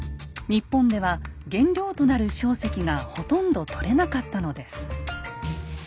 日本では原料となる硝石がほとんど採れなかったのです。